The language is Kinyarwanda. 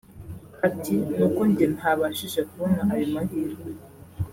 Ati “Ni uko njye ntabashije kubona ayo mahirwe